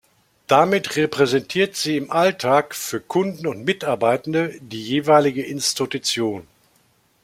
Damit repräsentiert sie im Alltag für Kunden und Mitarbeitende die jeweilige Institution.